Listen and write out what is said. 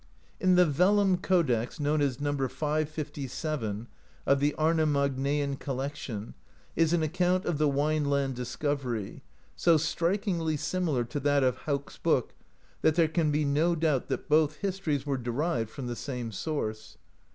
In the vellum codex, known as Number 557, 4to, of the Arna Magnaean Collection, is an account of the Wineland discovery, so strikingly similar to that of Hauk's Book that there can be no doubt that both histories w^ere de rived from the same source.